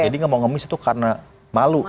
jadi nggak mau ngemis itu karena malu gitu